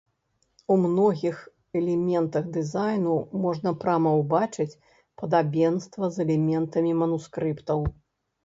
У многіх элементах дызайну можна прама ўбачыць падабенства з элементамі манускрыптаў.